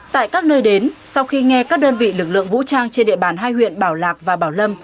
tại các nơi đến sau khi nghe các đơn vị lực lượng vũ trang trên địa bàn hai huyện bảo lạc và bảo lâm